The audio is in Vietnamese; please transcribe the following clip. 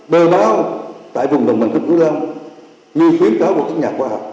bờ bao tại vùng đồng bằng cửu long